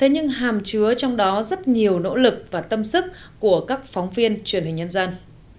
nhưng hàm chứa trong đó rất nhiều nỗ lực và tâm sức của các phóng viên truyền hình nhân dân